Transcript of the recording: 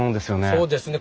そうですね。